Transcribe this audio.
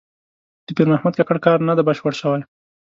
د پیر محمد کاکړ کار نه دی بشپړ شوی.